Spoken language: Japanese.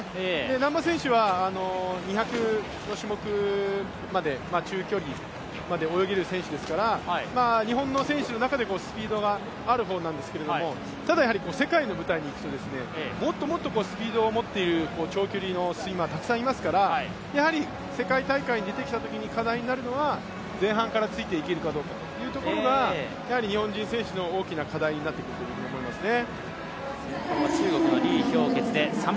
難波選手は２００の種目まで中距離まで泳げる選手ですから日本の選手の中でスピードがある方なんですけどただ、世界の舞台にいくと、もっともっとスピードを持っている長距離のスイマーがたくさんいますからやはり世界大会に出てきたときに課題になるのは前半からついていけるかどうかというところがやはり日本人選手の大きな課題になってくると思いますね。